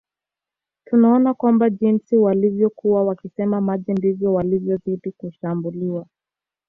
Tunaona kwamba jinsi walivyokuwa wakisema maji ndivyo walivyozidi kushambuliwa